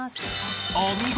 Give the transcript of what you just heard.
［お見事！］